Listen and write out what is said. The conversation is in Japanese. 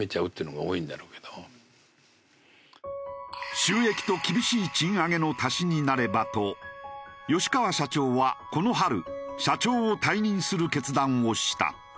収益と厳しい賃上げの足しになればと吉川社長はこの春社長を退任する決断をした。